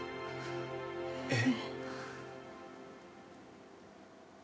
えっ？